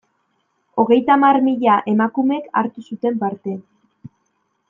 Hogeita hamar mila emakumek hartu zuten parte.